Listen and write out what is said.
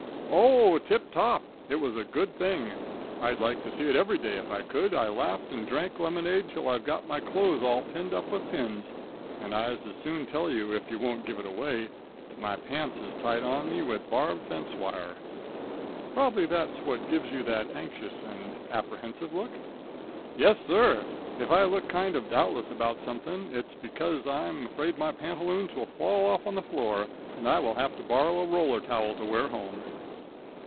"O, tip top. It was a good thing. I'd like to see it every day if I could, I laughed and drank lemonade till I've got my cloze all pinned up with pins, and I'd as soon tell you, if you wont give it away, that my pants is tied on me with barbed fence wire." "Probably that's what gives you that anxious and apprehensive look?" "Yes, sir. If I look kind of doubtless about something, its because I'm afraid my pantaloons will fall off on the floor and I will have to borrow a roller towel to wear home."